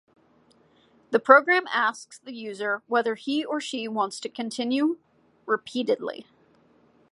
The program asks the user whether he or she wants to continue - repeatedly.